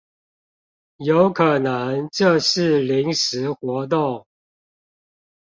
有可能這是臨時活動